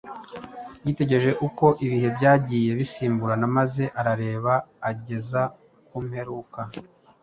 Yitegereje uko ibihe byagiye bisimburana maze arareba ageza ku mperuka,